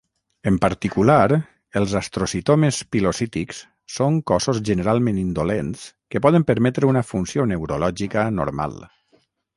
En particular, els astrocitomes pilocítics són cossos generalment indolents que poden permetre una funció neurològica normal.